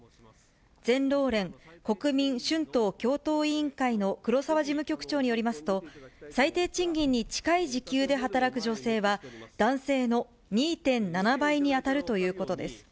全労連・国民春闘共闘委員会の黒沢事務局長によりますと、最低賃金に近い時給で働く女性は、男性の２．７倍に当たるということです。